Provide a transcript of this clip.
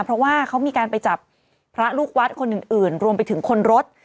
เพราะว่าเขามีการไปจับพระลูกวัดคนอื่นรวมไปถึงคนรถ